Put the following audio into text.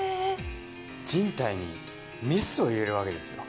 人体にメスを入れるわけですよ。